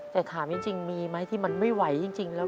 แต่ถามจริงมีไหมที่มันไม่ไหวจริงแล้ว